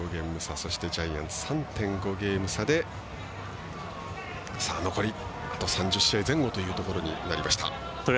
そして、ジャイアンツ３．５ゲーム差で残りあと３０試合前後ということになりました。